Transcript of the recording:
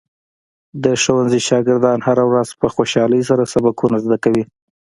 د ښوونځي شاګردان هره ورځ په خوشحالۍ سره سبقونه زده کوي.